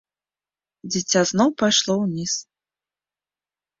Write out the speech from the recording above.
Дзіця зноў пайшло ўніз.